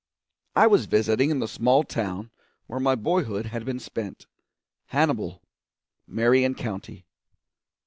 I was visiting in the small town where my boyhood had been spent Hannibal, Marion County.